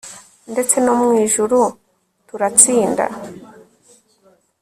ndetse no mu ijuru turatsinda